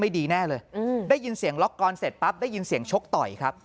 ไม่ดีแน่เลยได้ยินเสียงล็อคกรอนเสร็จปรับได้ยินเสียงชกต่อที่